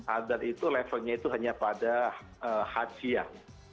adan itu levelnya hanya pada hajjah